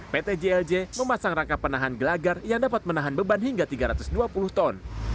pt jlj memasang rangka penahan gelagar yang dapat menahan beban hingga tiga ratus dua puluh ton